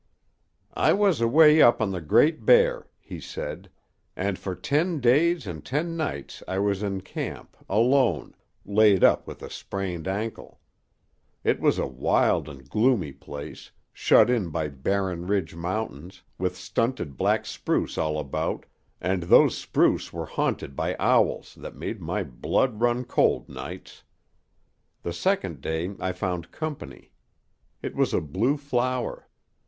"I was away up on the Great Bear," he said, "and for ten days and ten nights I was in camp alone laid up with a sprained ankle. It was a wild and gloomy place, shut in by barren ridge mountains, with stunted black spruce all about, and those spruce were haunted by owls that made my blood run cold nights. The second day I found company. It was a blue flower.